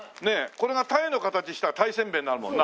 これが鯛の形したら鯛せんべいになるもんな。